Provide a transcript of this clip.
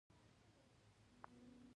بلکې غوښتل يې له هغه سره شريک کار وکړي.